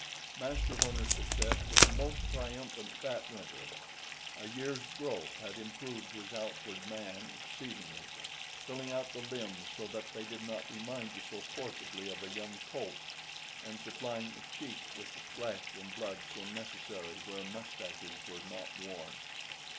Master Horner's success was most triumphant that winter. A year's growth had improved his outward man exceedingly, filling out the limbs so that they did not remind you so forcibly of a young colt's, and supplying the cheeks with the flesh and blood so necessary where mustaches were not worn.